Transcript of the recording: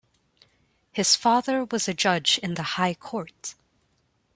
His father was a judge in the High Court.